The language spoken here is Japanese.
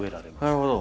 なるほど。